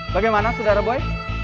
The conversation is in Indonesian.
bagaimana saudara boy